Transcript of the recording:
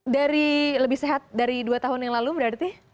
dari lebih sehat dari dua tahun yang lalu berarti